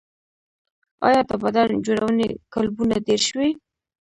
آیا د بدن جوړونې کلبونه ډیر شوي؟